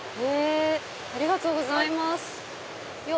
ありがとうございます。